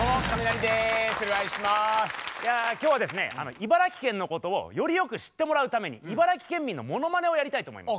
茨城県のことをよりよく知ってもらうために茨城県民のものまねをやりたいと思います。